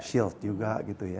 shield juga gitu ya